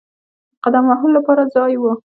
د قدم وهلو لپاره ځای وو.